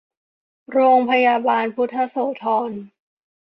โรงพยาบาลพุทธโสธร